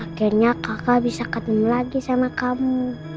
akhirnya kakak bisa ketemu lagi sama kamu